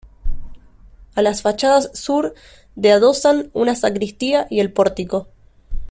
A las fachada sur de adosan una sacristía y el pórtico.